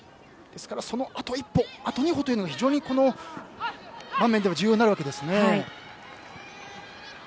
ですからそのあと１歩、あと２歩が非常にこの場面では重要になるわけですね。